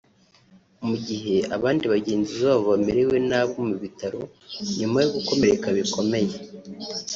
mu gihe abandi bagenzi babo bamerewe nabi mu bitaro nyuma yo gukomereka bikomeye